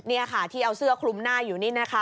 นี่ค่ะที่เอาเสื้อคลุมหน้าอยู่นี่นะคะ